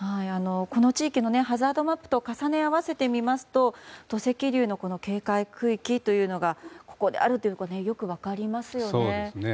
この地域のハザードマップと重ね合わせてみますと土石流の警戒区域というのがここであるのがよく分かりますよね。